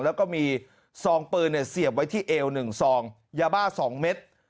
แล้วก็มีซองปืนเสียบไว้ที่เอว๑ซองยาบ้า๒เม็ด